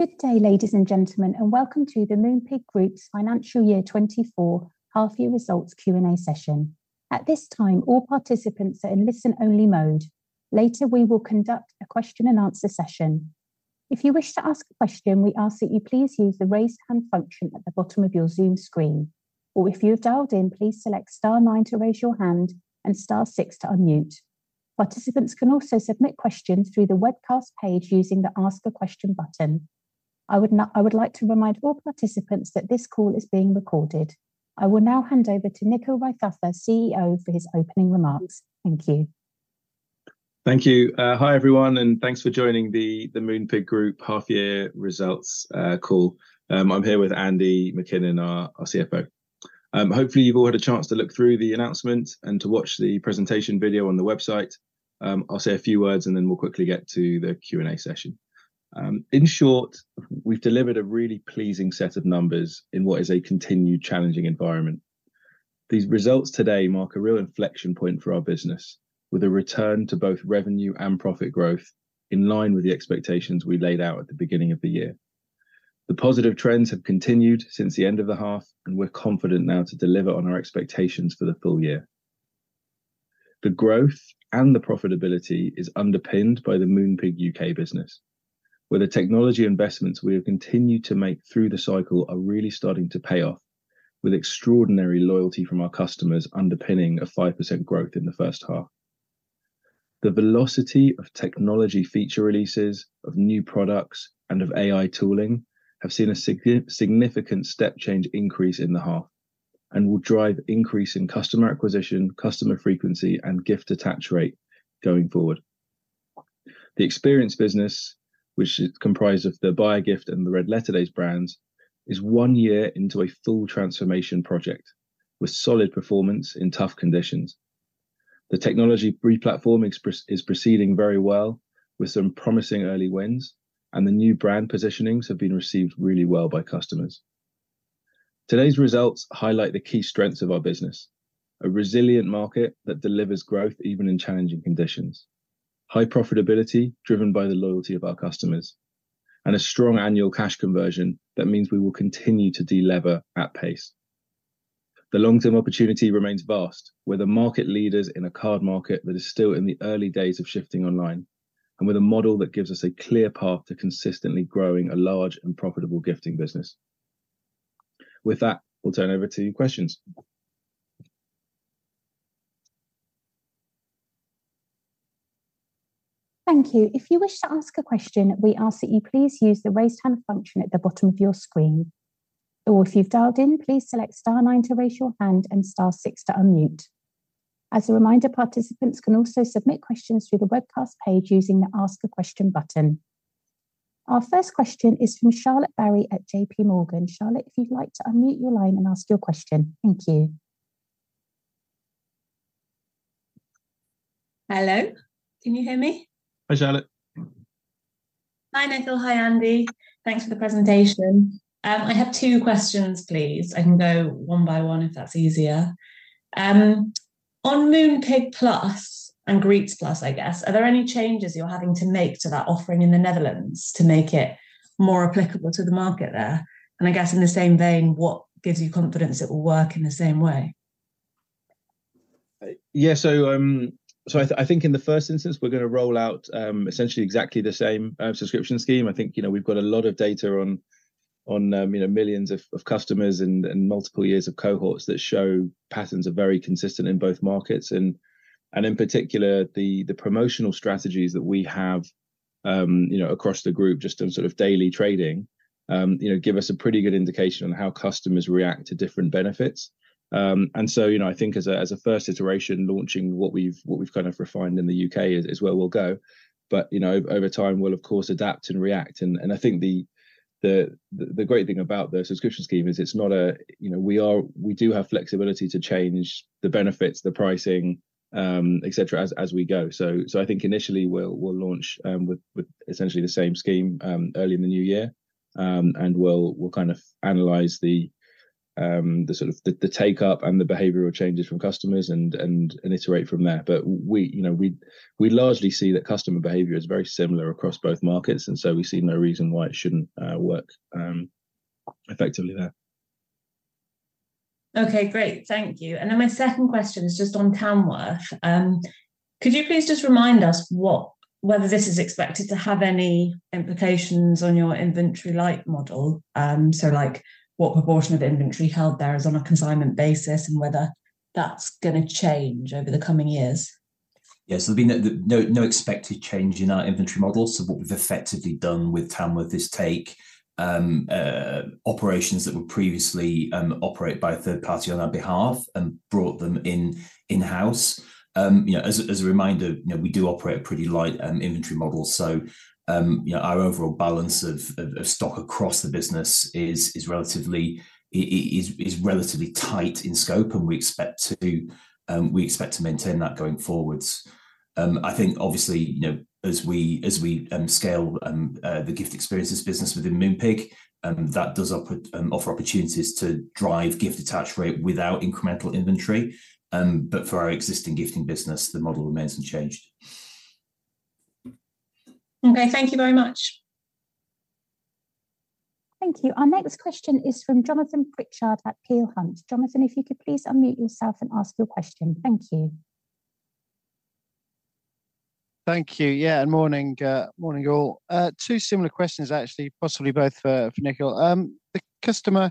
Good day, ladies and gentlemen, and welcome to the Moonpig Group's Financial Year 2024 Half Year Results Q&A session. At this time, all participants are in listen-only mode. Later, we will conduct a question and answer session. If you wish to ask a question, we ask that you please use the raise hand function at the bottom of your Zoom screen, or if you have dialed in, please select star nine to raise your hand and star six to unmute. Participants can also submit questions through the webcast page using the Ask a Question button. I would like to remind all participants that this call is being recorded. I will now hand over to Nickyl Raithatha, CEO, for his opening remarks. Thank you. Thank you. Hi, everyone, and thanks for joining the Moonpig Group Half Year Results call. I'm here with Andy MacKinnon, our CFO. Hopefully, you've all had a chance to look through the announcement and to watch the presentation video on the website. I'll say a few words, and then we'll quickly get to the Q&A session. In short, we've delivered a really pleasing set of numbers in what is a continued challenging environment. These results today mark a real inflection point for our business, with a return to both revenue and profit growth, in line with the expectations we laid out at the beginning of the year. The positive trends have continued since the end of the half, and we're confident now to deliver on our expectations for the full year. The growth and the profitability is underpinned by the Moonpig UK business, where the technology investments we have continued to make through the cycle are really starting to pay off, with extraordinary loyalty from our customers underpinning a 5% growth in the first half. The velocity of technology feature releases, of new products, and of AI tooling have seen a significant step change increase in the half and will drive increase in customer acquisition, customer frequency, and gift attach rate going forward. The experience business, which is comprised of the Buyagift and the Red Letter Days brands, is one year into a full transformation project, with solid performance in tough conditions. The technology replatforming is proceeding very well, with some promising early wins, and the new brand positionings have been received really well by customers. Today's results highlight the key strengths of our business: a resilient market that delivers growth even in challenging conditions, high profitability driven by the loyalty of our customers, and a strong annual cash conversion that means we will continue to delever at pace. The long-term opportunity remains vast, with the market leaders in a card market that is still in the early days of shifting online, and with a model that gives us a clear path to consistently growing a large and profitable gifting business. With that, we'll turn over to your questions. Thank you. If you wish to ask a question, we ask that you please use the raise hand function at the bottom of your screen, or if you've dialed in, please select star nine to raise your hand and star six to unmute. As a reminder, participants can also submit questions through the webcast page using the Ask a Question button. Our first question is from Charlotte Barry at J.P. Morgan. Charlotte, if you'd like to unmute your line and ask your question. Thank you. Hello, can you hear me? Hi, Charlotte. Hi, Nickyl. Hi, Andy. Thanks for the presentation. I have two questions, please. I can go one by one if that's easier. On Moonpig Plus and Greetz Plus, I guess, are there any changes you're having to make to that offering in the Netherlands to make it more applicable to the market there? And I guess in the same vein, what gives you confidence it will work in the same way? Yeah, so, so I think in the first instance, we're gonna roll out essentially exactly the same subscription scheme. I think, you know, we've got a lot of data on, you know, millions of customers and multiple years of cohorts that show patterns are very consistent in both markets. And in particular, the promotional strategies that we have, you know, across the group, just in sort of daily trading, you know, give us a pretty good indication on how customers react to different benefits. And so, you know, I think as a first iteration, launching what we've kind of refined in the UK is where we'll go. But, you know, over time, we'll of course adapt and react. I think the great thing about the subscription scheme is it's not a... You know, we are, we do have flexibility to change the benefits, the pricing, et cetera, as we go. So I think initially, we'll launch with essentially the same scheme early in the new year. And we'll kind of analyze the sort of the take-up and the behavioral changes from customers and iterate from there. But we, you know, we largely see that customer behavior is very similar across both markets, and so we see no reason why it shouldn't work effectively there. Okay, great. Thank you. And then my second question is just on Tamworth. Could you please just remind us what, whether this is expected to have any implications on your inventory light model? So, like, what proportion of the inventory held there is on a consignment basis, and whether that's gonna change over the coming years? Yes, there'll be no, no, no expected change in our inventory model. So what we've effectively done with Tamworth is take operations that were previously operated by a third party on our behalf and brought them in-house. You know, as a reminder, you know, we do operate a pretty light inventory model. So, you know, our overall balance of stock across the business is relatively tight in scope, and we expect to maintain that going forwards. I think obviously, you know, as we scale the gift experiences business within Moonpig, that does offer opportunities to drive gift attach rate without incremental inventory. But for our existing gifting business, the model remains unchanged. Okay, thank you very much.... Thank you. Our next question is from Jonathan Pritchard at Peel Hunt. Jonathan, if you could please unmute yourself and ask your question. Thank you. Thank you. Yeah, and morning, morning, all. Two similar questions, actually, possibly both for, for Nickyl. The customer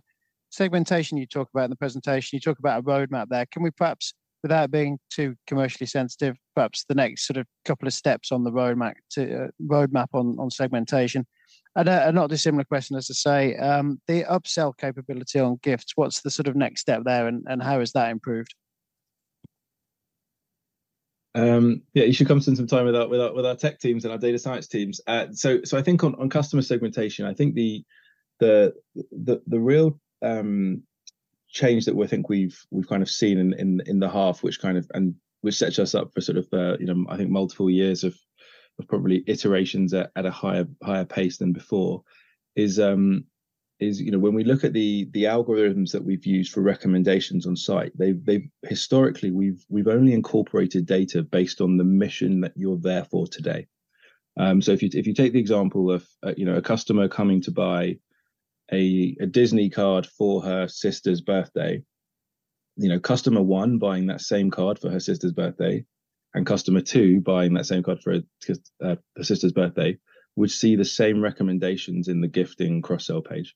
segmentation you talk about in the presentation, you talk about a roadmap there. Can we perhaps, without being too commercially sensitive, perhaps the next sort of couple of steps on the roadmap to, roadmap on, on segmentation? And, and not a dissimilar question, as to say, the upsell capability on gifts, what's the sort of next step there, and, and how has that improved? Yeah, you should come spend some time with our tech teams and our data science teams. So I think on customer segmentation, the real change that we think we've kind of seen in the half, which sets us up for sort of, you know, I think multiple years of probably iterations at a higher pace than before, is, you know, when we look at the algorithms that we've used for recommendations on site. Historically, we've only incorporated data based on the mission that you're there for today. So if you, if you take the example of, you know, a customer coming to buy a Disney card for her sister's birthday, you know, customer one buying that same card for her sister's birthday, and customer two buying that same card for her sister's birthday, would see the same recommendations in the gifting cross-sell page.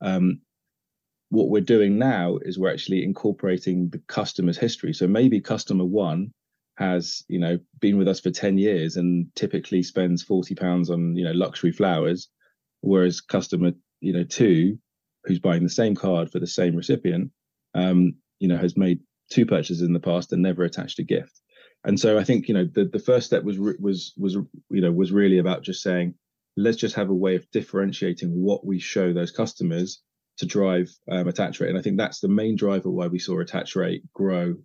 What we're doing now is we're actually incorporating the customer's history. So maybe customer one has, you know, been with us for 10 years and typically spends 40 pounds on, you know, luxury flowers. Whereas customer, you know, two, who's buying the same card for the same recipient, you know, has made two purchases in the past and never attached a gift. And so I think, you know, the first step was, was, you know, was really about just saying, "Let's just have a way of differentiating what we show those customers to drive attach rate." And I think that's the main driver why we saw attach rate grow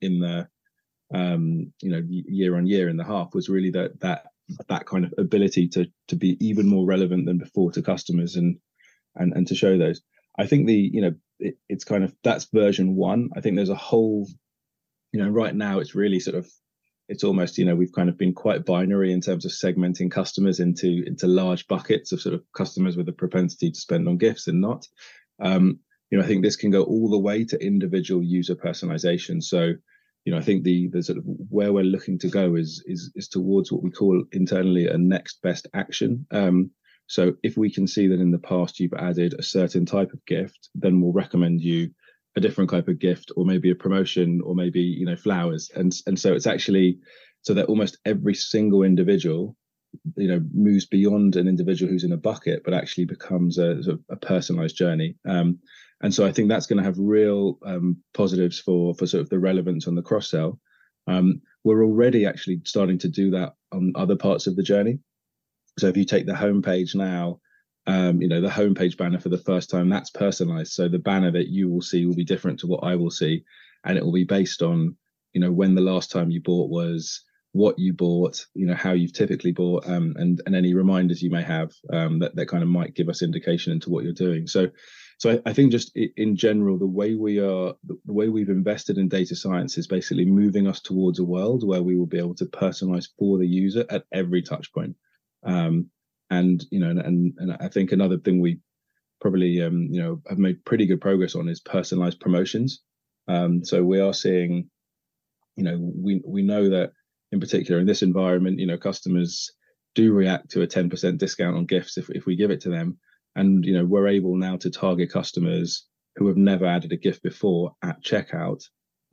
in the, you know, year-on-year, in the half, was really that kind of ability to be even more relevant than before to customers and to show those. I think the, you know, it, it's kind of... That's version one. I think there's a whole... You know, right now, it's really sort of, it's almost, you know, we've kind of been quite binary in terms of segmenting customers into large buckets of sort of customers with a propensity to spend on gifts and not. You know, I think this can go all the way to individual user personalization. So, you know, I think the sort of where we're looking to go is towards what we call internally a next best action. So if we can see that in the past you've added a certain type of gift, then we'll recommend you a different type of gift, or maybe a promotion, or maybe, you know, flowers. And so it's actually so that almost every single individual, you know, moves beyond an individual who's in a bucket, but actually becomes a sort of a personalized journey. And so I think that's gonna have real positives for sort of the relevance on the cross-sell. We're already actually starting to do that on other parts of the journey. So if you take the homepage now, you know, the homepage banner for the first time, that's personalized. So the banner that you will see will be different to what I will see, and it will be based on, you know, when the last time you bought was, what you bought, you know, how you've typically bought, and any reminders you may have, that kind of might give us indication into what you're doing. So I think just in general, the way we are, the way we've invested in data science is basically moving us towards a world where we will be able to personalize for the user at every touch point. And, you know, and I think another thing we probably, you know, have made pretty good progress on is personalized promotions. We are seeing, you know, we know that in particular in this environment, you know, customers do react to a 10% discount on gifts if we give it to them. You know, we're able now to target customers who have never added a gift before at checkout,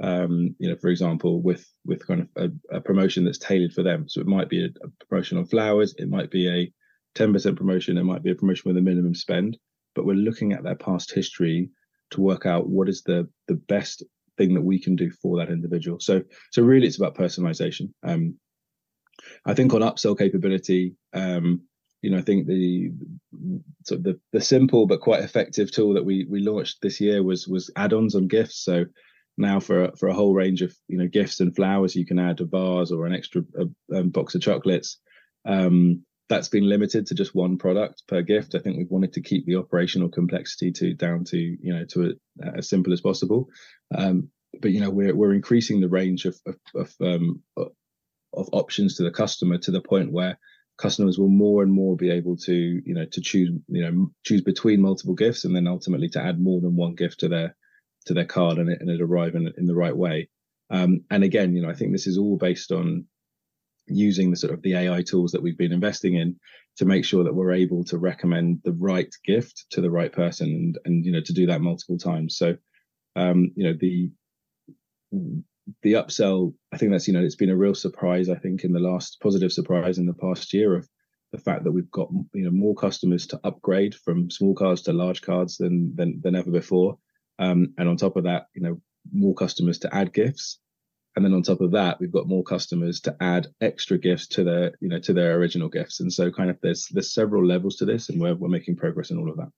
you know, for example, with kind of a promotion that's tailored for them. So it might be a promotion on flowers, it might be a 10% promotion, it might be a promotion with a minimum spend, but we're looking at their past history to work out what is the best thing that we can do for that individual. So really it's about personalization. I think on upsell capability, you know, I think the sort of simple but quite effective tool that we launched this year was add-ons on gifts. So now for a whole range of, you know, gifts and flowers, you can add two bars or an extra box of chocolates. That's been limited to just one product per gift. I think we wanted to keep the operational complexity down to, you know, to as simple as possible. But, you know, we're increasing the range of options to the customer, to the point where customers will more and more be able to, you know, to choose, you know, choose between multiple gifts, and then ultimately, to add more than one gift to their cart, and it arrive in the right way. And again, you know, I think this is all based on using the sort of AI tools that we've been investing in, to make sure that we're able to recommend the right gift to the right person, and, you know, to do that multiple times. So, you know, the upsell, I think that's, you know, it's been a real surprise, I think, in the last... positive surprise in the past year, of the fact that we've got you know, more customers to upgrade from small cards to large cards than ever before. And on top of that, you know, more customers to add gifts. And then on top of that, we've got more customers to add extra gifts to their, you know, to their original gifts. And so kind of there's several levels to this, and we're making progress in all of that.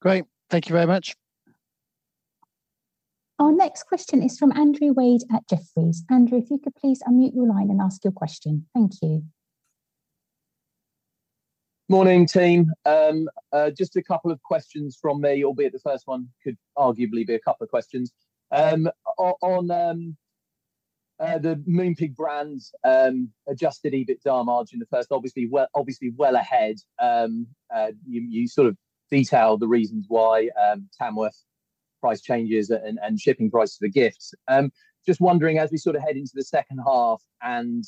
Great. Thank you very much. Our next question is from Andrew Wade at Jefferies. Andrew, if you could please unmute your line and ask your question. Thank you. Morning, team. Just a couple of questions from me, albeit the first one could arguably be a couple of questions. On the Moonpig brands, adjusted EBITDA margin in the first, obviously well, obviously well ahead. You sort of detailed the reasons why, Tamworth price changes and shipping prices for gifts. Just wondering, as we sort of head into the second half and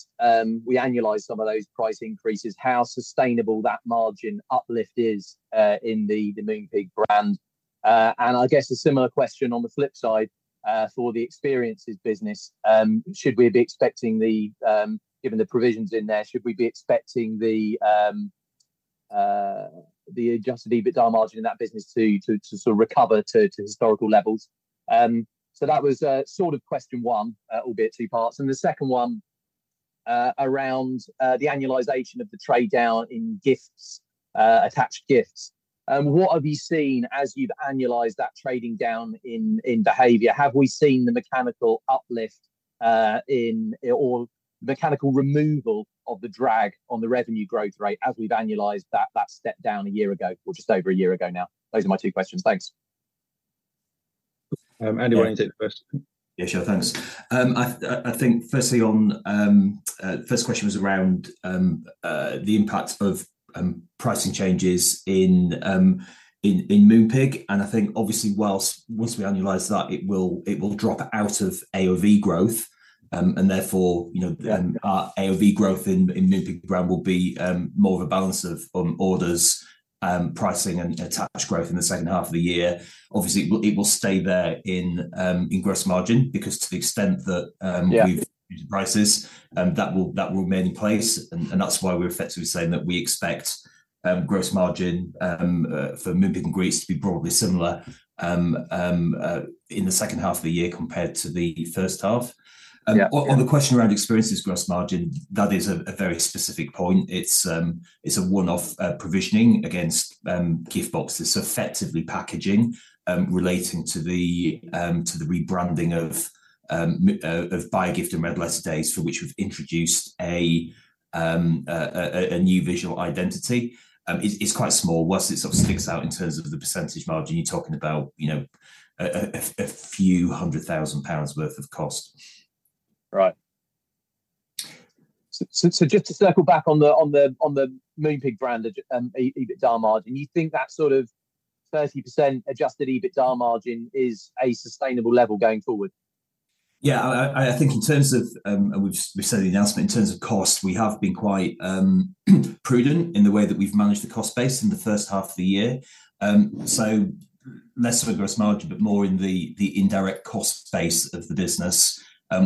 we annualize some of those price increases, how sustainable that margin uplift is in the Moonpig brand? And I guess a similar question on the flip side for the experiences business, given the provisions in there, should we be expecting the adjusted EBITDA margin in that business to sort of recover to historical levels? So that was sort of question one, albeit two parts, and the second one around the annualization of the trade down in gifts, attached gifts. What have you seen as you've annualized that trading down in behavior? Have we seen the mechanical uplift, or mechanical removal of the drag on the revenue growth rate as we've annualized that step down a year ago, or just over a year ago now? Those are my two questions. Thanks. Andy, why don't you take the first? Yeah, sure. Thanks. I think firstly on, first question was around, the impact of, pricing changes in, in Moonpig. And I think obviously, while once we annualize that, it will drop out of AOV growth, and therefore, you know, our AOV growth in Moonpig brand will be, more of a balance of, orders, pricing and attached growth in the second half of the year. Obviously, it will stay there in gross margin, because to the extent that, Yeah... we've increased prices, that will remain in place. And that's why we're effectively saying that we expect gross margin for Moonpig and Greetz to be broadly similar in the second half of the year compared to the first half. Yeah. On the question around experiences gross margin, that is a very specific point. It's a one-off provisioning against gift boxes, so effectively packaging relating to the rebranding of Buyagift and Red Letter Days, for which we've introduced a new visual identity. It's quite small. While it sort of sticks out in terms of the percentage margin, you're talking about, you know, a few hundred thousand GBP worth of cost. Right. Just to circle back on the Moonpig brand, Adjusted EBITDA margin, you think that sort of 30% adjusted EBITDA margin is a sustainable level going forward? Yeah, I think in terms of, we've said in the announcement, in terms of cost, we have been quite prudent in the way that we've managed the cost base in the first half of the year. So less of a gross margin, but more in the indirect cost base of the business.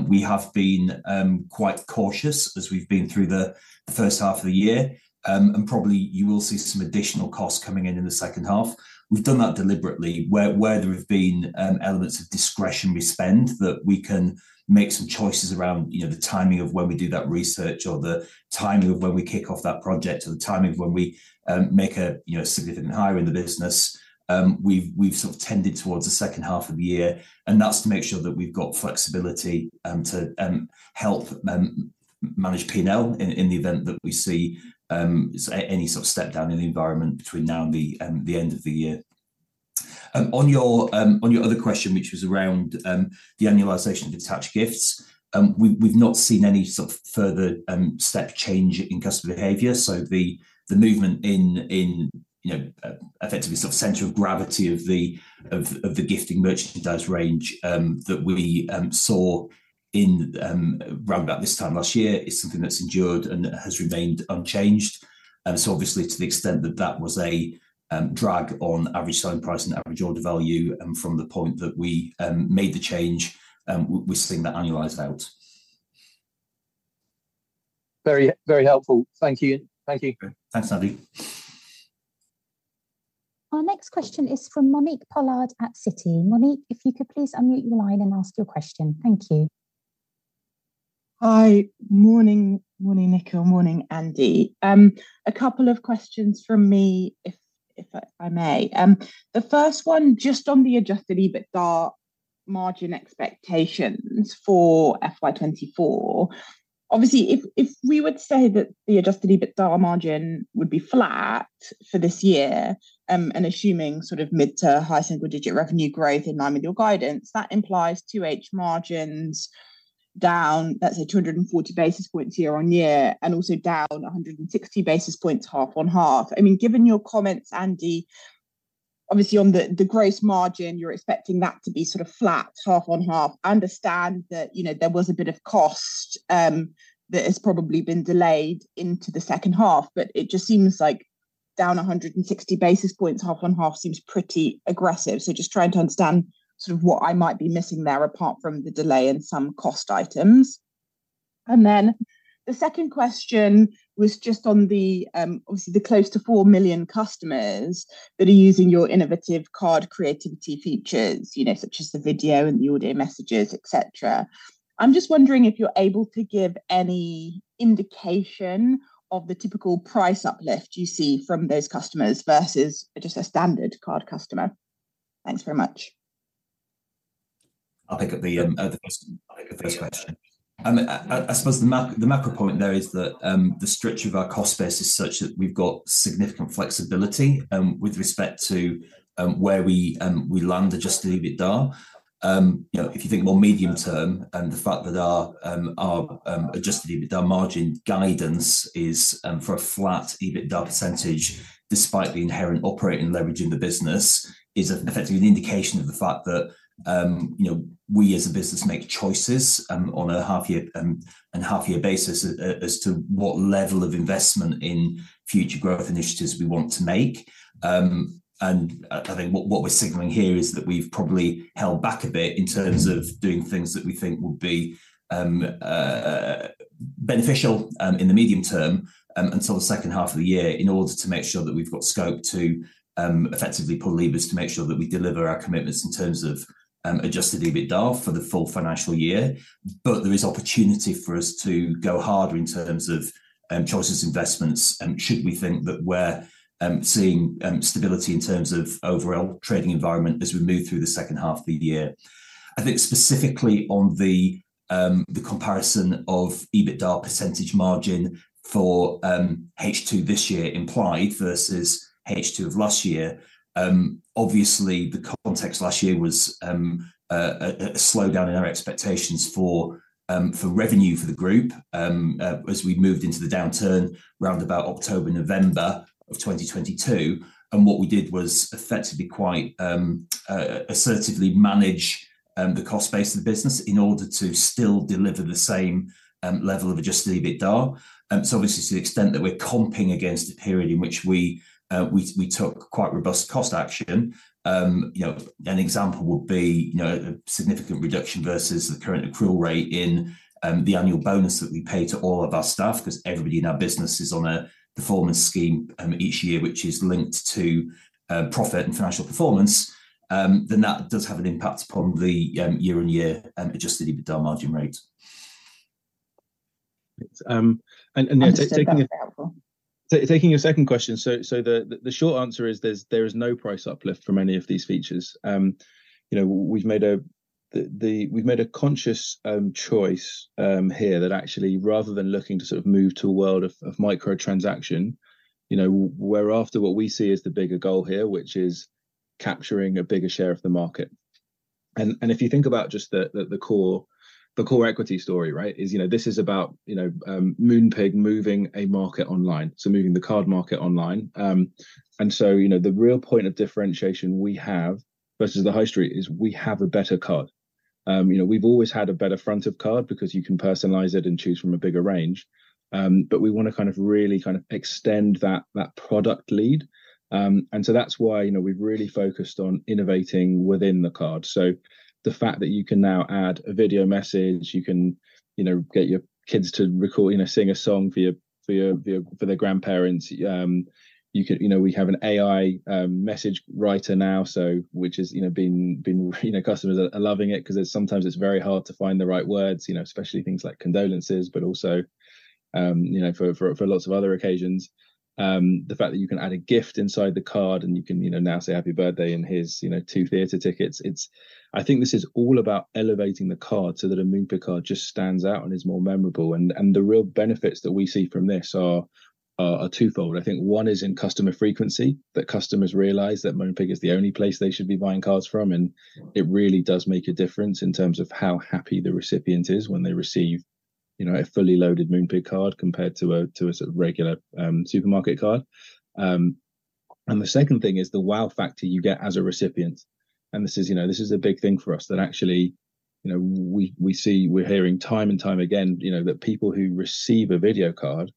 We have been quite cautious as we've been through the first half of the year. And probably you will see some additional costs coming in in the second half. We've done that deliberately, where there have been elements of discretionary spend, that we can make some choices around, you know, the timing of when we do that research, or the timing of when we kick off that project, or the timing of when we make a, you know, significant hire in the business. We've, we've sort of tended towards the second half of the year, and that's to make sure that we've got flexibility, to help manage P&L in the event that we see any sort of step down in the environment between now and the end of the year. On your other question, which was around the annualization of the attach gifts, we've, we've not seen any sort of further step change in customer behavior. So the movement in, you know, effectively sort of center of gravity of the gifting merchandise range, that we saw in around about this time last year, is something that's endured and has remained unchanged. So obviously, to the extent that that was a drag on average selling price and average order value, from the point that we made the change, we're seeing that annualized out. Very, very helpful. Thank you. Thank you. Thanks, Andy. Our next question is from Monique Pollard at Citi. Monique, if you could please unmute your line and ask your question. Thank you. Hi. Morning, morning, Nickyl. Morning, Andy. A couple of questions from me, if I may. The first one, just on the Adjusted EBITDA margin expectations for FY 2024. Obviously, if we would say that the Adjusted EBITDA margin would be flat for this year, and assuming sort of mid- to high-single-digit revenue growth in line with your guidance, that implies 2H margins down, let's say, 240 basis points year-on-year, and also down 160 basis points, half-on-half. I mean, given your comments, Andy, obviously on the gross margin, you're expecting that to be sort of flat, half-on-half. I understand that, you know, there was a bit of cost that has probably been delayed into the second half, but it just seems like down 160 basis points, half on half, seems pretty aggressive. So just trying to understand sort of what I might be missing there, apart from the delay in some cost items. And then the second question was just on the, obviously, the close to four million customers that are using your innovative card creativity features, you know, such as the video and the audio messages, et cetera. I'm just wondering if you're able to give any indication of the typical price uplift you see from those customers versus just a standard card customer. Thanks very much.... I'll pick up the first question. I suppose the macro point there is that the stretch of our cost base is such that we've got significant flexibility with respect to where we land Adjusted EBITDA. You know, if you think more medium term and the fact that our Adjusted EBITDA margin guidance is for a flat EBITDA percentage, despite the inherent operating leverage in the business, is effectively an indication of the fact that you know, we as a business make choices on a half year and half year basis as to what level of investment in future growth initiatives we want to make. I think what we're signaling here is that we've probably held back a bit in terms of doing things that we think will be beneficial in the medium term until the second half of the year, in order to make sure that we've got scope to effectively pull levers to make sure that we deliver our commitments in terms of Adjusted EBITDA for the full financial year. But there is opportunity for us to go harder in terms of choices, investments, should we think that we're seeing stability in terms of overall trading environment as we move through the second half of the year. I think specifically on the comparison of EBITDA percentage margin for H2 this year implied versus H2 of last year, obviously, the context last year was a slowdown in our expectations for revenue for the group, as we moved into the downturn round about October, November of 2022, and what we did was effectively quite assertively manage the cost base of the business in order to still deliver the same level of adjusted EBITDA. So obviously, to the extent that we're comping against a period in which we took quite robust cost action, you know, an example would be, you know, a significant reduction versus the current accrual rate in the annual bonus that we pay to all of our staff, 'cause everybody in our business is on a performance scheme each year, which is linked to profit and financial performance. Then that does have an impact upon the year-on-year Adjusted EBITDA margin rate. And yeah, taking your- That's helpful. Taking your second question, so the short answer is there is no price uplift from any of these features. You know, we've made a conscious choice here that actually, rather than looking to sort of move to a world of micro transaction, you know, we're after what we see as the bigger goal here, which is capturing a bigger share of the market. And if you think about just the core equity story, right? Is you know, this is about you know, Moonpig moving a market online, so moving the card market online. And so you know, the real point of differentiation we have versus the high street is we have a better card. You know, we've always had a better front of card because you can personalize it and choose from a bigger range. But we wanna kind of really kind of extend that product lead. And so that's why, you know, we've really focused on innovating within the card. So the fact that you can now add a video message, you can, you know, get your kids to record, you know, sing a song for your, for their grandparents. You can, you know, we have an AI message writer now, so which has, you know, been, you know, customers are loving it, 'cause sometimes it's very hard to find the right words, you know, especially things like condolences but also, you know, for lots of other occasions. The fact that you can add a gift inside the card, and you can, you know, now say, "Happy Birthday, and here's, you know, two theater tickets," it's. I think this is all about elevating the card so that a Moonpig card just stands out and is more memorable. And the real benefits that we see from this are twofold. I think one is in customer frequency, that customers realize that Moonpig is the only place they should be buying cards from, and it really does make a difference in terms of how happy the recipient is when they receive, you know, a fully loaded Moonpig card compared to a, to a sort of regular supermarket card. And the second thing is the wow factor you get as a recipient, and this is, you know, this is a big thing for us, that actually, you know, we, we see, we're hearing time and time again, you know, that people who receive a video card,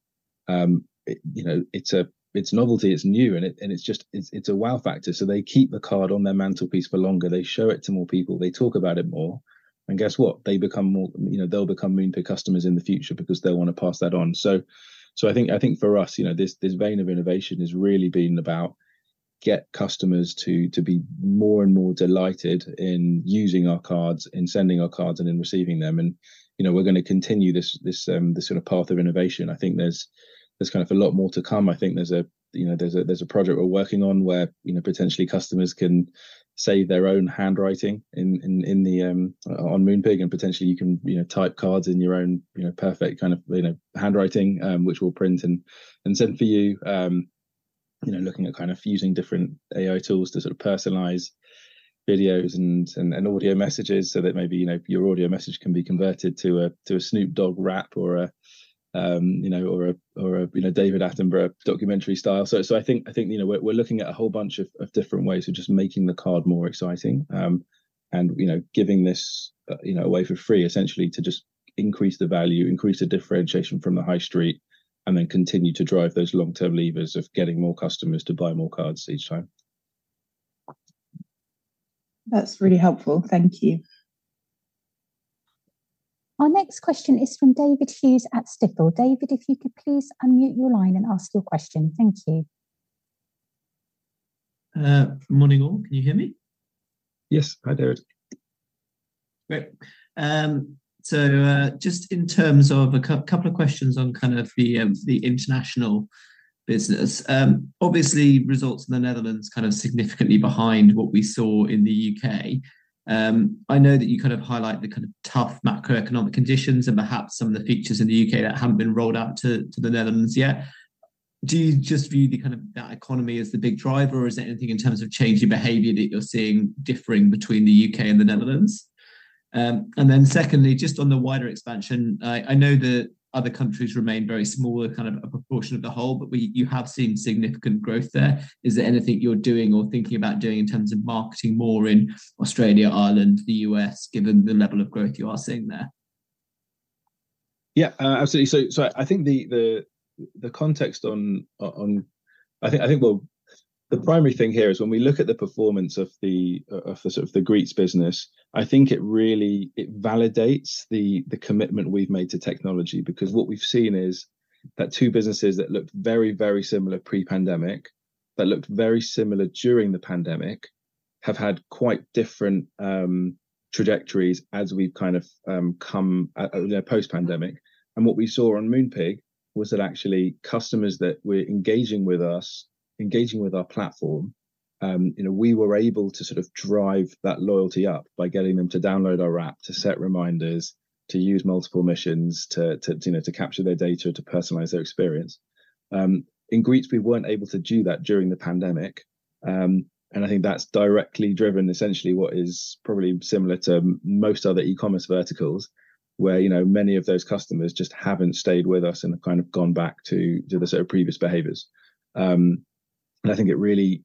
it, you know, it's a, it's novelty, it's new, and it, and it's just, it's, it's a wow factor. So they keep the card on their mantelpiece for longer. They show it to more people. They talk about it more. And guess what? They become more, you know, they'll become Moonpig customers in the future because they'll want to pass that on. So I think for us, you know, this vein of innovation has really been about get customers to be more and more delighted in using our cards, in sending our cards, and in receiving them, and, you know, we're gonna continue this this sort of path of innovation. I think there's kind of a lot more to come. I think there's a, you know, a project we're working on where, you know, potentially customers can save their own handwriting in the on Moonpig, and potentially you can, you know, type cards in your own, you know, perfect kind of handwriting, which we'll print and send for you. You know, looking at kind of fusing different AI tools to sort of personalize videos and audio messages so that maybe, you know, your audio message can be converted to a Snoop Dogg rap or a David Attenborough documentary style. So I think, you know, we're looking at a whole bunch of different ways of just making the card more exciting, and, you know, giving this away for free, essentially, to just increase the value, increase the differentiation from the high street, and then continue to drive those long-term levers of getting more customers to buy more cards each time. That's really helpful. Thank you. Our next question is from David Hughes at Stifel. David, if you could please unmute your line and ask your question. Thank you. Morning, all. Can you hear me? Yes. Hi, David. Great. Um- So, just in terms of a couple of questions on kind of the international business. Obviously, results in the Netherlands kind of significantly behind what we saw in the UK. I know that you kind of highlight the kind of tough macroeconomic conditions and perhaps some of the features in the U.K. that haven't been rolled out to the Netherlands yet. Do you just view the kind of that economy as the big driver, or is there anything in terms of changing behavior that you're seeing differing between the UK and the Netherlands? And then secondly, just on the wider expansion, I know that other countries remain very small, they're kind of a proportion of the whole, but you have seen significant growth there. Is there anything you're doing or thinking about doing in terms of marketing more in Australia, Ireland, the U.S., given the level of growth you are seeing there? Yeah, absolutely. So, I think the context on... I think, well, the primary thing here is when we look at the performance of the sort of the Greetz business, I think it really validates the commitment we've made to technology. Because what we've seen is that two businesses that looked very, very similar pre-pandemic, that looked very similar during the pandemic, have had quite different trajectories as we've kind of come post-pandemic. And what we saw on Moonpig was that actually customers that were engaging with us, engaging with our platform, you know, we were able to sort of drive that loyalty up by getting them to download our app, to set reminders, to use multiple occasions, to you know, to capture their data, to personalize their experience. In Greetz, we weren't able to do that during the pandemic. I think that's directly driven essentially what is probably similar to most other e-commerce verticals, where, you know, many of those customers just haven't stayed with us and have kind of gone back to the sort of previous behaviors. I think it really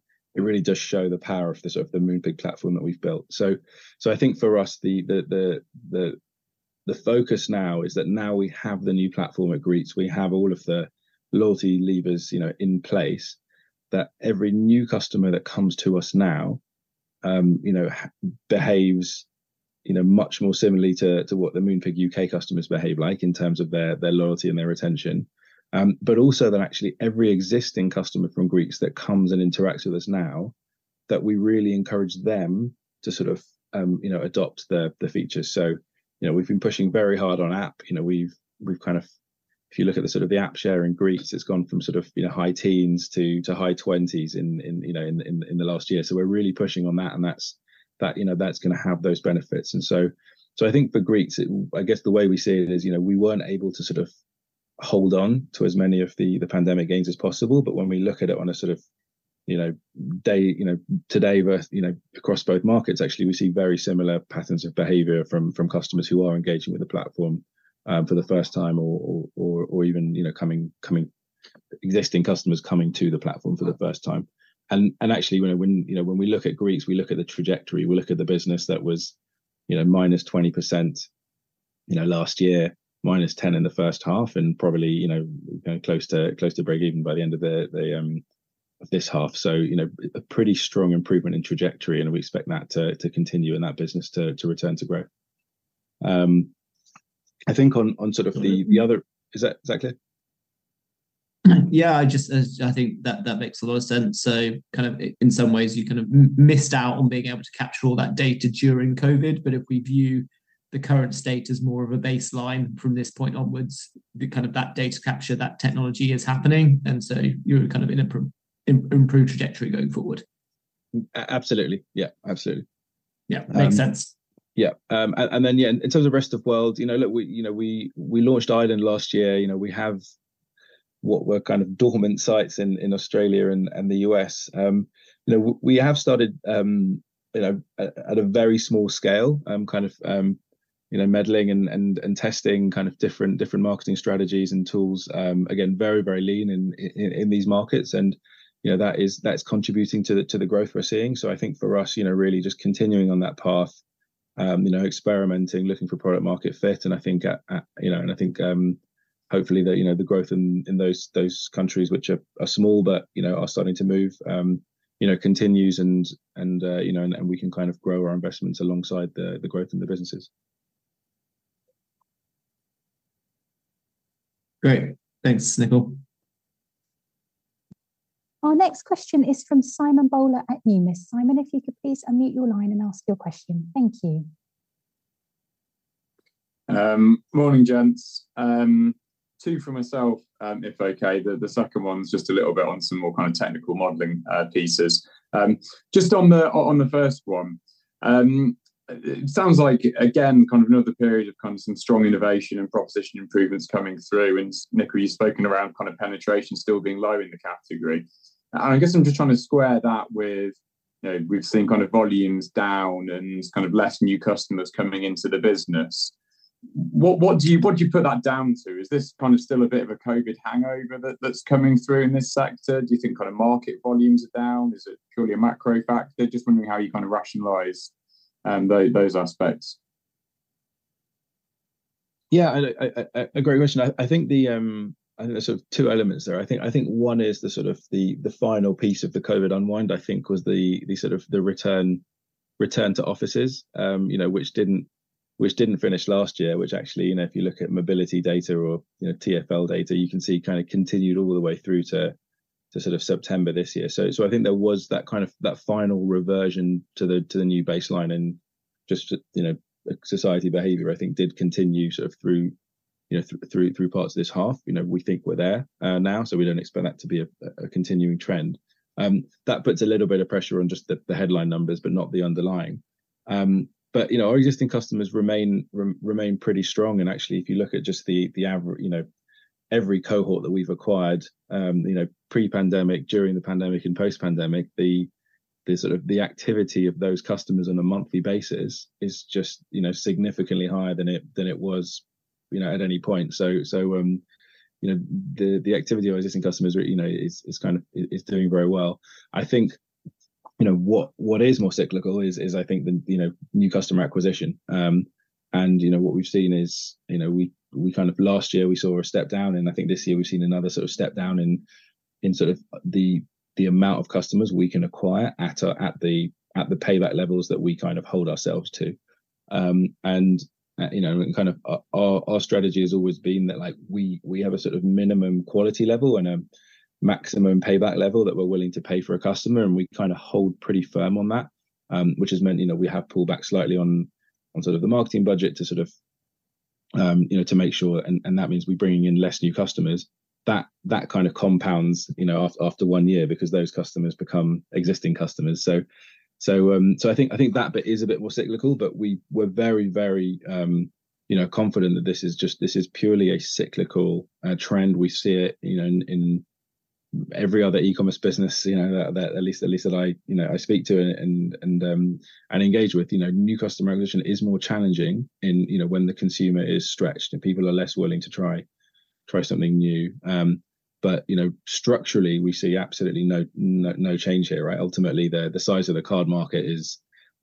does show the power of the Moonpig platform that we've built. I think for us, the focus now is that now we have the new platform at Greetz, we have all of the loyalty levers, you know, in place, that every new customer that comes to us now, you know, behaves, you know, much more similarly to what the Moonpig UK customers behave like in terms of their loyalty and their retention. But also that actually every existing customer from Greetz that comes and interacts with us now, that we really encourage them to sort of, you know, adopt the, the features. So, you know, we've been pushing very hard on app. You know, we've kind of... If you look at the sort of the app share in Greetz, it's gone from sort of, you know, high teens to, to high twenties in, in, you know, in, in the last year. So we're really pushing on that, and that's, you know, that's gonna have those benefits. I think for Greetz, it—I guess the way we see it is, you know, we weren't able to sort of hold on to as many of the pandemic gains as possible, but when we look at it on a sort of, you know, day-to-day, you know, across both markets, actually, we see very similar patterns of behavior from customers who are engaging with the platform for the first time or even, you know, existing customers coming to the platform for the first time. Actually, when you know, when we look at Greetz, we look at the trajectory, we look at the business that was, you know, minus 20%, you know, last year, minus 10% in the first half, and probably, you know, close to breakeven by the end of this half. So, you know, a pretty strong improvement in trajectory, and we expect that to continue in that business to return to growth. I think on sort of the other... Is that clear? Yeah, I just, I think that, that makes a lot of sense. So kind of in some ways, you kind of missed out on being able to capture all that data during COVID, but if we view the current state as more of a baseline from this point onwards, the kind of that data capture, that technology is happening, and so you're kind of in a improved trajectory going forward. Absolutely. Yeah, absolutely. Yeah, makes sense. Yeah, and then, yeah, in terms of rest of world, you know, look, we, you know, we launched Ireland last year. You know, we have what were kind of dormant sites in Australia and the U.S. You know, we have started, you know, at a very small scale, kind of you know meddling and testing kind of different marketing strategies and tools. Again, very lean in these markets and, you know, that's contributing to the growth we're seeing. So I think for us, you know, really just continuing on that path, you know, experimenting, looking for product market fit, and I think, you know, and I think, hopefully, that, you know, the growth in those countries, which are small, but you know, are starting to move, you know, continues and, you know, and we can kind of grow our investments alongside the growth in the businesses. Great! Thanks, Nickyl. Our next question is from Simon Sheridan at Numis. Simon, if you could please unmute your line and ask your question. Thank you. Morning, gents. Two for myself, if okay. The second one's just a little bit on some more kind of technical modeling pieces. Just on the first one, it sounds like again, kind of another period of kind of some strong innovation and proposition improvements coming through, and Nickyl, you've spoken around kind of penetration still being low in the category. And I guess I'm just trying to square that with, you know, we've seen kind of volumes down and kind of less new customers coming into the business. What do you put that down to? Is this kind of still a bit of a COVID hangover that's coming through in this sector? Do you think kind of market volumes are down? Is it purely a macro factor? Just wondering how you kind of rationalize those aspects? Yeah, it's a great question. I think there's sort of two elements there. I think one is the sort of the final piece of the COVID unwind. I think it was the sort of the return to offices. You know, which didn't finish last year, which actually, you know, if you look at mobility data or, you know, TfL data, you can see kind of continued all the way through to sort of September this year. So I think there was that kind of final reversion to the new baseline, and just, you know, society behavior, I think, did continue sort of through, you know, through parts of this half. You know, we think we're there, now, so we don't expect that to be a continuing trend. That puts a little bit of pressure on just the headline numbers, but not the underlying. But, you know, our existing customers remain pretty strong, and actually, if you look at just the. You know, every cohort that we've acquired, you know, pre-pandemic, during the pandemic, and post-pandemic, the sort of activity of those customers on a monthly basis is just, you know, significantly higher than it was, you know, at any point. So, you know, the activity of our existing customers, you know, is kind of doing very well. I think, you know, what is more cyclical is, I think the new customer acquisition. You know, what we've seen is, you know, we kind of... Last year we saw a step down, and I think this year we've seen another sort of step down in sort of the amount of customers we can acquire at the payback levels that we kind of hold ourselves to. You know, and kind of our strategy has always been that, like, we have a sort of minimum quality level and a maximum payback level that we're willing to pay for a customer, and we kind of hold pretty firm on that. Which has meant, you know, we have pulled back slightly on sort of the marketing budget to sort of, you know, to make sure, and that means we're bringing in less new customers. That kind of compounds, you know, after one year because those customers become existing customers. So, I think that bit is a bit more cyclical, but we're very, very, you know, confident that this is just this is purely a cyclical trend. We see it, you know, in every other e-commerce business, you know, that at least that I, you know, I speak to and and engage with. You know, new customer acquisition is more challenging in, you know, when the consumer is stretched, and people are less willing to try something new. But, you know, structurally, we see absolutely no change here, right? Ultimately, the size of the card market is,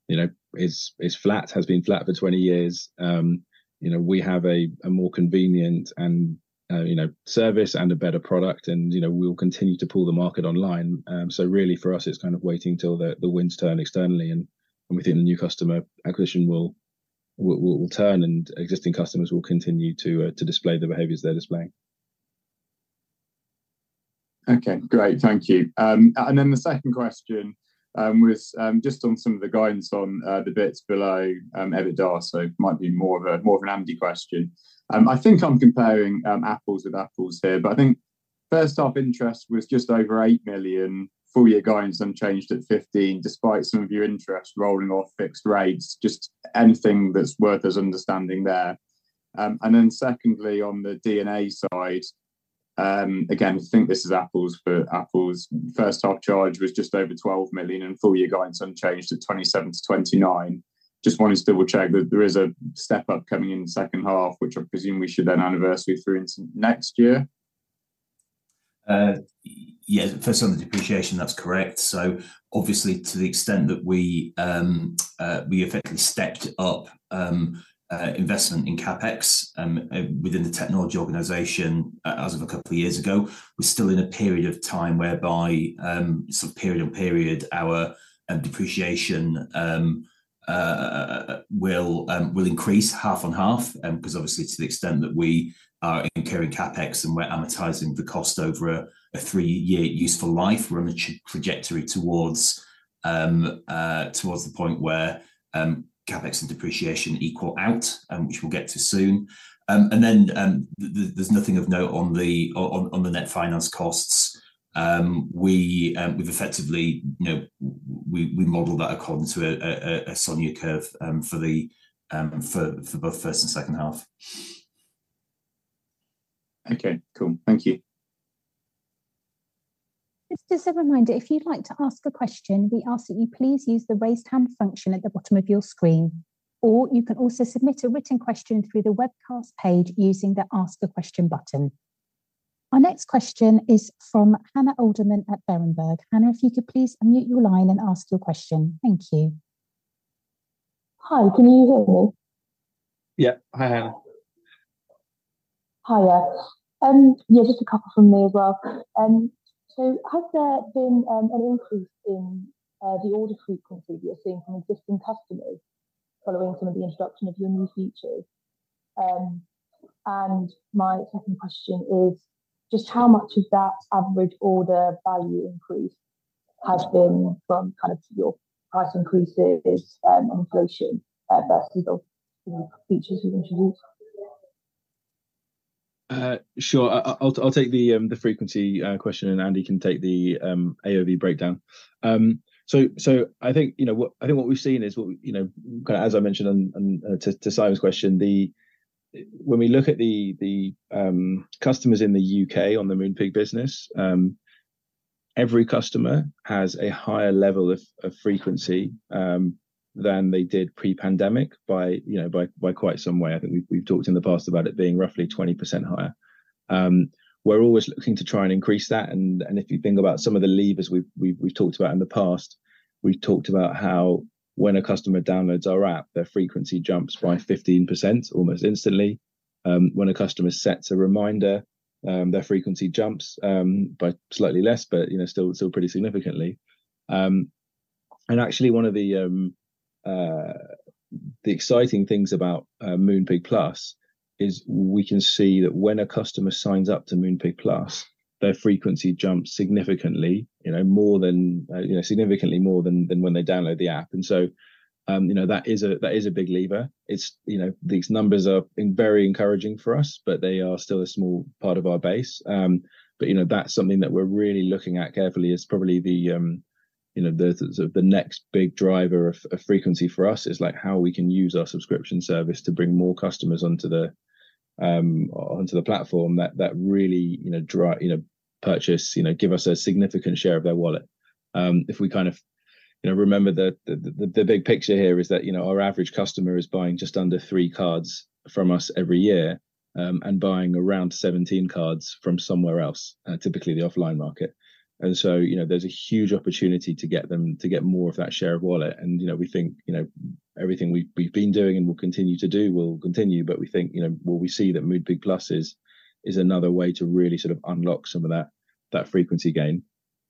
you know, is flat. Has been flat for 20 years. You know, we have a more convenient and, you know, service and a better product and, you know, we will continue to pull the market online. So really, for us, it's kind of waiting till the winds turn externally, and within the new customer acquisition will turn, and existing customers will continue to display the behaviors they're displaying. Okay, great. Thank you. And then the second question was just on some of the guidance on the bits below EBITDA, so might be more of a, more of an Andy question. I think I'm comparing apples with apples here, but I think first off, interest was just over £8 million, full year guidance unchanged at £15 million, despite some of your interest rolling off fixed rates. Just anything that's worth us understanding there. And then secondly, on the D&A side, again, I think this is apples for apples. First half charge was just over £12 million, and full year guidance unchanged at £27 million-£29 million. Just wanted to double-check that there is a step-up coming in the second half, which I presume we should then anniversary through into next year? Yes, first on the depreciation, that's correct. So obviously, to the extent that we effectively stepped up investment in CapEx within the technology organization as of a couple of years ago. We're still in a period of time whereby sort of period on period, our depreciation will increase half on half. 'Cause obviously, to the extent that we are incurring CapEx, and we're amortising the cost over a three-year useful life. We're on a trajectory towards the point where CapEx and depreciation equal out, which we'll get to soon. And then there's nothing of note on the net finance costs. We've effectively, you know, we modeled that according to a SONIA curve for both first and second half. Okay, cool. Thank you. Just as a reminder, if you'd like to ask a question, we ask that you please use the Raise Hand function at the bottom of your screen, or you can also submit a written question through the webcast page using the Ask a Question button. Our next question is from Hannah Sheridan at Berenberg. Hannah, if you could please unmute your line and ask your question. Thank you. Hi, can you hear me? Yeah. Hi, Hannah. Hi, yeah. Yeah, just a couple from me as well. So has there been an increase in the order frequency that you're seeing from existing customers following some of the introduction of your new features? And my second question is, just how much of that average order value increase has been from kind of your price increases on inflation versus the, you know, features you've introduced? Sure. I'll take the frequency question, and Andy can take the AOV breakdown. So I think, you know what, I think what we've seen is what, you know, kind of, as I mentioned on, on, to Simon's question, when we look at the customers in the UK on the Moonpig business, every customer has a higher level of frequency than they did pre-pandemic by, you know, by quite some way. I think we've talked in the past about it being roughly 20% higher. We're always looking to try and increase that, and if you think about some of the levers we've talked about in the past, we've talked about how when a customer downloads our app, their frequency jumps by 15% almost instantly. When a customer sets a reminder, their frequency jumps by slightly less, but, you know, still pretty significantly. And actually, one of the exciting things about Moonpig Plus is we can see that when a customer signs up to Moonpig Plus, their frequency jumps significantly. You know, more than, you know, significantly more than when they download the app. And so, you know, that is a big lever. It's, you know, these numbers are being very encouraging for us, but they are still a small part of our base. But, you know, that's something that we're really looking at carefully, is probably the, you know, the next big driver of frequency for us, is like how we can use our subscription service to bring more customers onto the platform, that really, you know, purchase. You know, give us a significant share of their wallet. If we kind of, you know, remember the big picture here is that, you know, our average customer is buying just under three cards from us every year, and buying around 17 cards from somewhere else, typically the offline market. And so, you know, there's a huge opportunity to get them to get more of that share of wallet. And, you know, we think, you know, everything we've been doing and will continue to do, will continue. But we think, you know, what we see that Moonpig Plus is, is another way to really sort of unlock some of that frequency gain.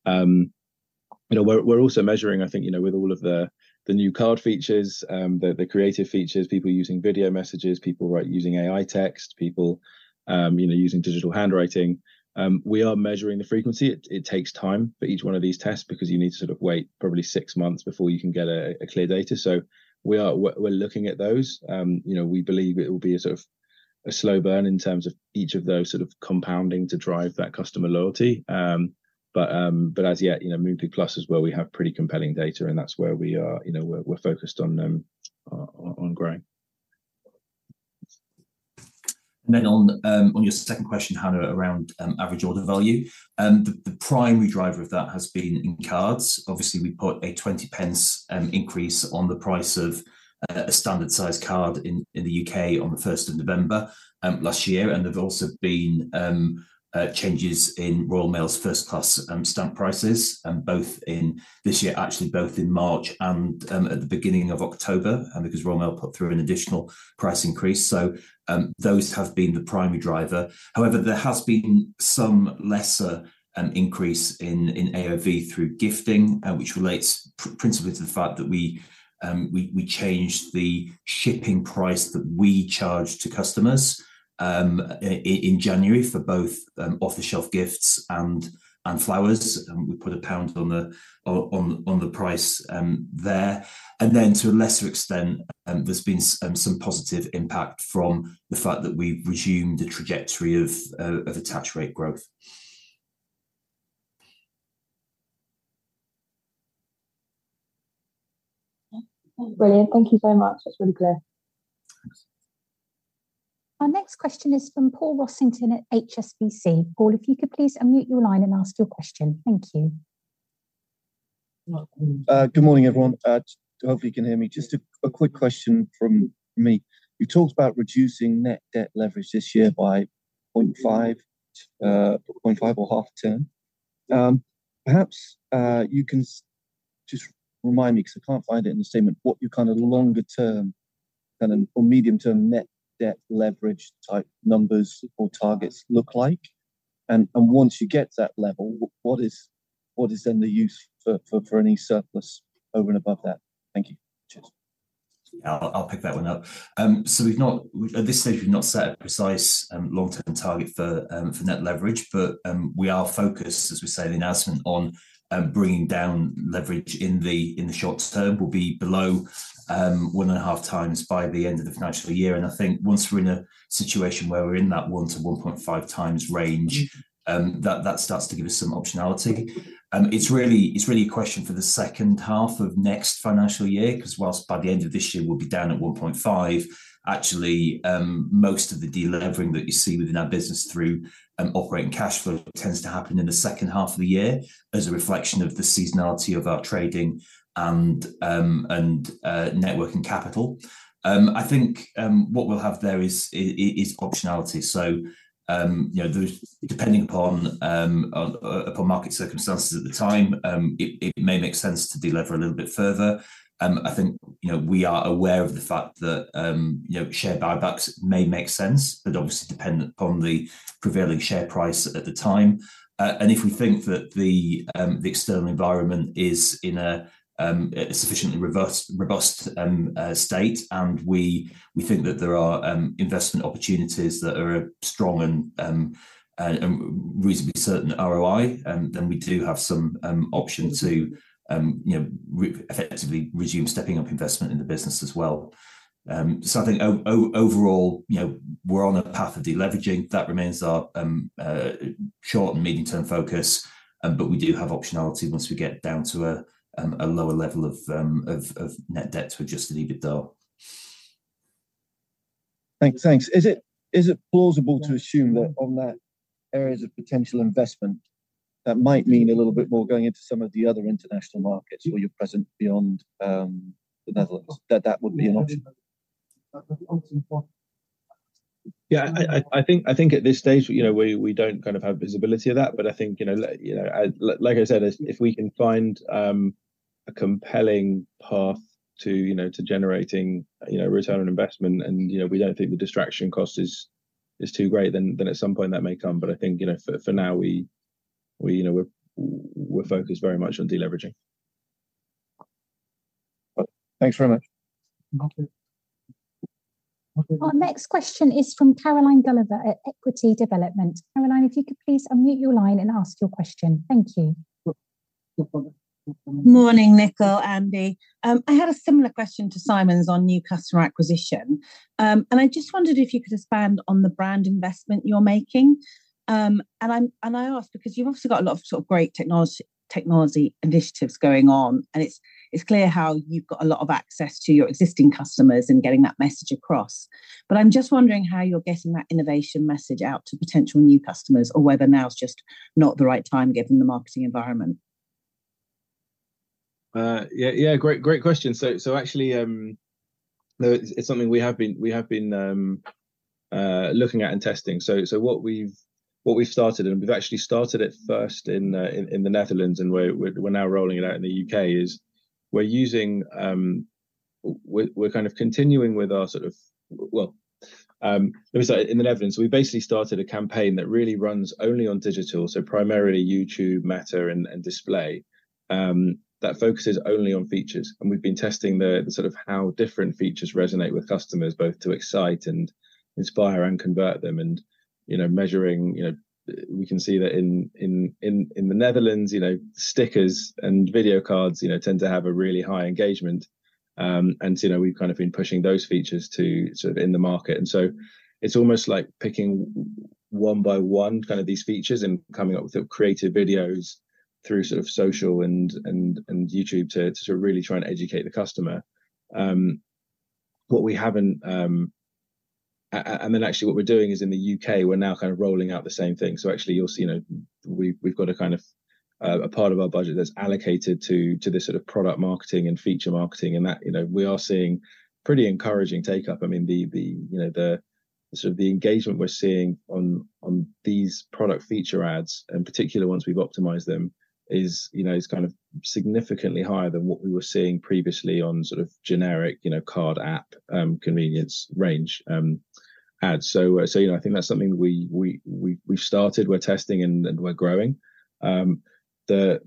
You know, we're also measuring, I think, you know, with all of the new card features, the creative features, people using video messages, people using AI text, people, you know, using digital handwriting. We are measuring the frequency. It takes time for each one of these tests, because you need to sort of wait probably six months before you can get clear data. So we are looking at those. You know, we believe it will be a sort of slow burn in terms of each of those sort of compounding to drive that customer loyalty. As yet, you know, Moonpig Plus is where we have pretty compelling data, and that's where we are, you know, we're focused on growing. On your second question, Hannah, around average order value. The primary driver of that has been in cards. Obviously, we put a 0.20 increase on the price of a standard-sized card in the UK on the first of November last year. And there's also been changes in Royal Mail's first-class stamp prices both in this year, actually, both in March and at the beginning of October, because Royal Mail put through an additional price increase, so those have been the primary driver. However, there has been some lesser increase in AOV through gifting, which relates principally to the fact that we changed the shipping price that we charge to customers in January for both off-the-shelf gifts and flowers, and we put GBP 1 on the price there. And then to a lesser extent, there's been some positive impact from the fact that we've resumed the trajectory of attach rate growth. Brilliant. Thank you so much. That's really clear. Thanks. Our next question is from Paul Sheridan at HSBC. Paul, if you could please unmute your line and ask your question. Thank you. Good morning, everyone. Hopefully you can hear me. Just a quick question from me. You talked about reducing net debt leverage this year by 0.5, 0.5 or half a turn. Perhaps you can just remind me, 'cause I can't find it in the statement, what your kind of longer term, kind of, or medium-term net debt leverage type numbers or targets look like? And once you get to that level, what is then the use for any surplus over and above that? Thank you. Cheers. I'll pick that one up. So we've not, at this stage, set a precise long-term target for net leverage, but we are focused, as we say in the announcement, on bringing down leverage in the short term. We'll be below 1.5x by the end of the financial year, and I think once we're in a situation where we're in that 1-1.5x range, that starts to give us some optionality. It's really, it's really a question for the second half of next financial year, 'cause whilst by the end of this year, we'll be down at 1.5, actually, most of the delevering that you see within our business through operating cash flow tends to happen in the second half of the year, as a reflection of the seasonality of our trading and net working capital. I think what we'll have there is optionality. So, you know, those, depending upon market circumstances at the time, it may make sense to delever a little bit further. I think, you know, we are aware of the fact that, you know, share buybacks may make sense, but obviously dependent upon the prevailing share price at the time. And if we think that the external environment is in a sufficiently robust, robust, state, and we think that there are investment opportunities that are a strong and reasonably certain ROI, then we do have some option to you know effectively resume stepping up investment in the business as well. So I think overall, you know, we're on a path of deleveraging. That remains our short and medium-term focus, but we do have optionality once we get down to a lower level of net debt to adjusted EBITDA. Thank you. Thanks. Is it, is it plausible to assume that on that areas of potential investment, that might mean a little bit more going into some of the other international markets where you're present beyond the Netherlands, that that would be an option? Yeah, I think at this stage, you know, we don't kind of have visibility of that. But I think, you know, like I said, if we can find a compelling path to, you know, to generating, you know, return on investment, and, you know, we don't think the distraction cost is too great, then at some point that may come. But I think, you know, for now, we, you know, we're focused very much on deleveraging. Thanks very much. Okay. Our next question is from Caroline Gulliver at Equity Development. Caroline, if you could please unmute your line and ask your question. Thank you. Morning, Nico, Andy. I had a similar question to Simon's on new customer acquisition. And I just wondered if you could expand on the brand investment you're making. And I ask because you've obviously got a lot of sort of great technology, technology initiatives going on, and it's clear how you've got a lot of access to your existing customers and getting that message across. But I'm just wondering how you're getting that innovation message out to potential new customers, or whether now is just not the right time, given the marketing environment. Yeah, great question. So actually, it's something we have been looking at and testing. So what we've started, and we've actually started it first in the Netherlands, and we're now rolling it out in the UK, is we're using... We're kind of continuing with our sort of, well, let me say, in the Netherlands, we basically started a campaign that really runs only on digital, so primarily YouTube, Meta, and display, that focuses only on features. And we've been testing the sort of how different features resonate with customers, both to excite and inspire and convert them. You know, measuring, you know, we can see that in the Netherlands, you know, stickers and video cards, you know, tend to have a really high engagement. You know, we've kind of been pushing those features to sort of in the market. So it's almost like picking one by one, kind of these features and coming up with creative videos through sort of social and YouTube to really try and educate the customer. What we haven't and then actually what we're doing is in the U.K., we're now kind of rolling out the same thing. So actually, you'll see, you know, we've got a kind of a part of our budget that's allocated to this sort of product marketing and feature marketing, and that, you know, we are seeing pretty encouraging take-up. I mean, you know, the sort of engagement we're seeing on these product feature ads, and particular ones we've optimized them, is, you know, kind of significantly higher than what we were seeing previously on sort of generic, you know, card app convenience range ads. So, you know, I think that's something we've started. We're testing, and we're growing. The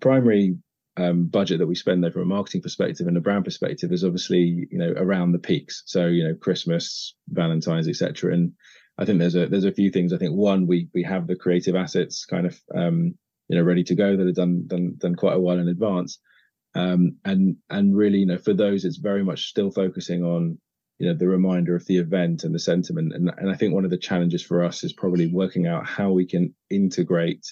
primary budget that we spend there from a marketing perspective and a brand perspective is obviously, you know, around the peaks, so, you know, Christmas, Valentine's, et cetera. And I think there's a few things. I think, one, we have the creative assets kind of, you know, ready to go, that are done quite a while in advance. really, you know, for those, it's very much still focusing on, you know, the reminder of the event and the sentiment. I think one of the challenges for us is probably working out how we can integrate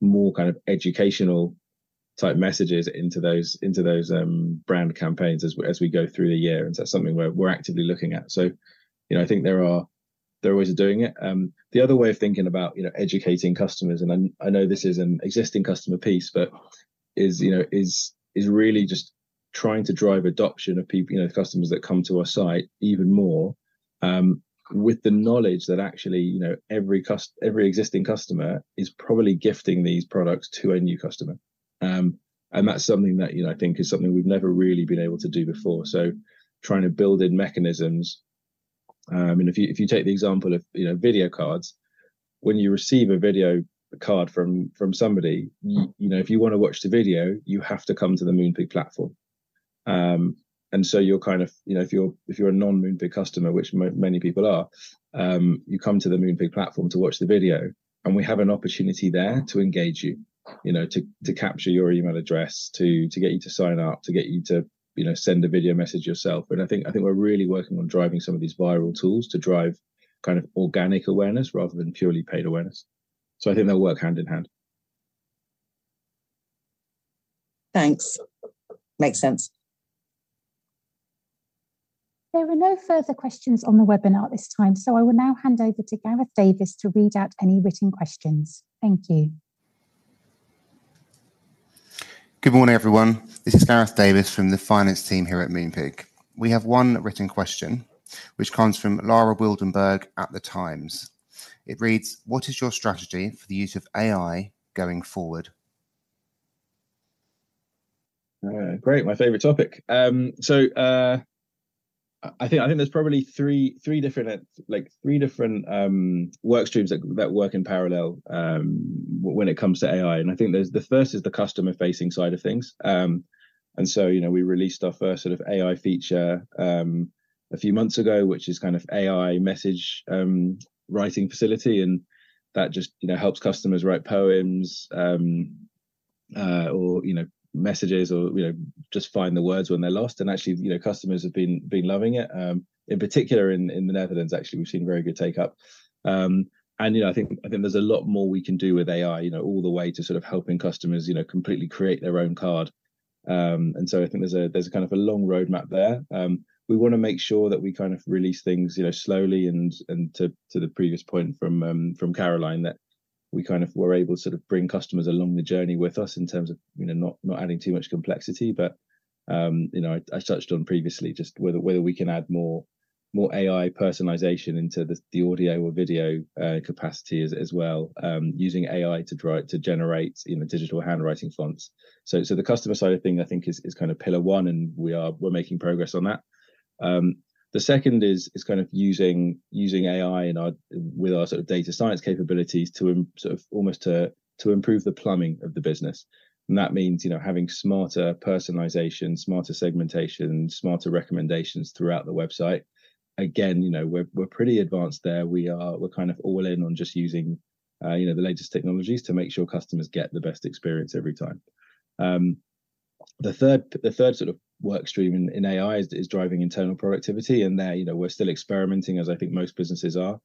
more kind of educational-type messages into those brand campaigns as we go through the year, and that's something we're actively looking at. So, you know, I think there are ways of doing it. The other way of thinking about, you know, educating customers, and I know this is an existing customer piece, but is, you know, really just trying to drive adoption of, you know, customers that come to our site even more, with the knowledge that actually, you know, every existing customer is probably gifting these products to a new customer. And that's something that, you know, I think is something we've never really been able to do before, so trying to build in mechanisms. And if you take the example of, you know, video cards, when you receive a video card from somebody, you know, if you wanna watch the video, you have to come to the Moonpig platform. And so you're kind of, you know, if you're a non-Moonpig customer, which many people are, you come to the Moonpig platform to watch the video, and we have an opportunity there to engage you, you know, to capture your email address, to get you to sign up, to get you to, you know, send a video message yourself. I think, I think we're really working on driving some of these viral tools to drive kind of organic awareness, rather than purely paid awareness. I think they'll work hand in hand. Thanks. Makes sense. There are no further questions on the webinar at this time, so I will now hand over to Gareth Davis to read out any written questions. Thank you. Good morning, everyone. This is Gareth Davis from the finance team here at Moonpig. We have one written question, which comes from Lara Mayerhofer at The Times. It reads: "What is your strategy for the use of AI going forward? Great, my favorite topic. I think there's probably three different work streams that work in parallel when it comes to AI, and I think there's... The first is the customer-facing side of things. You know, we released our first sort of AI feature a few months ago, which is kind of AI message writing facility, and that just, you know, helps customers write poems or, you know, messages or, you know, just find the words when they're lost. Actually, you know, customers have been loving it. In particular in the Netherlands, actually, we've seen very good take-up. You know, I think, I think there's a lot more we can do with AI, you know, all the way to sort of helping customers, you know, completely create their own card. So I think there's a, there's kind of a long roadmap there. We wanna make sure that we kind of release things, you know, slowly, and, and to, to the previous point from, from Caroline, that we kind of we're able to sort of bring customers along the journey with us in terms of, you know, not, not adding too much complexity. But, you know, I, I touched on previously just whether, whether we can add more, more AI personalization into the, the audio or video capacity as, as well, using AI to try to generate, you know, digital handwriting fonts. So the customer side of things, I think, is kind of pillar one, and we're making progress on that. The second is kind of using AI with our sort of data science capabilities to sort of almost improve the plumbing of the business. And that means, you know, having smarter personalization, smarter segmentation, smarter recommendations throughout the website. Again, you know, we're pretty advanced there. We're kind of all in on just using you know, the latest technologies to make sure customers get the best experience every time. The third sort of work stream in AI is driving internal productivity, and there, you know, we're still experimenting, as I think most businesses are.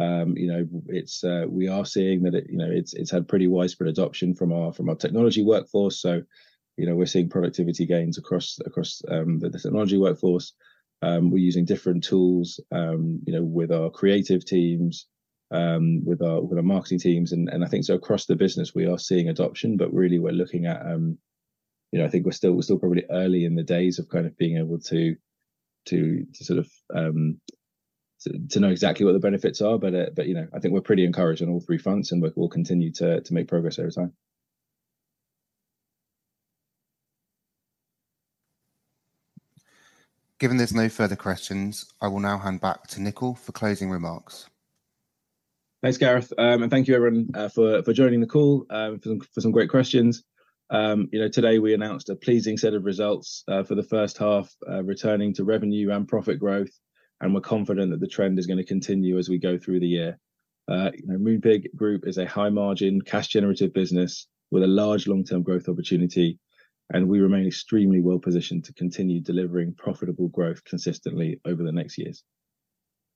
You know, it's, we are seeing that it, you know, it's, it's had pretty widespread adoption from our technology workforce, so, you know, we're seeing productivity gains across the technology workforce. We're using different tools, you know, with our creative teams, with our marketing teams, and I think so across the business, we are seeing adoption, but really, we're looking at... You know, I think we're still probably early in the days of kind of being able to sort of to know exactly what the benefits are. But, you know, I think we're pretty encouraged on all three fronts, and we'll continue to make progress over time. Given there's no further questions, I will now hand back to Nicol for closing remarks. Thanks, Gareth. Thank you everyone, for, for joining the call, and for some, for some great questions. You know, today we announced a pleasing set of results, for the first half, returning to revenue and profit growth, and we're confident that the trend is gonna continue as we go through the year. You know, Moonpig Group is a high-margin, cash-generative business with a large long-term growth opportunity, and we remain extremely well positioned to continue delivering profitable growth consistently over the next years.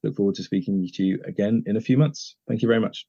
Look forward to speaking to you again in a few months. Thank you very much.